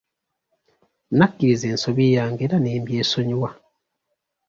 Nakkiriza ensobi yange era ne mbyesonyiwa.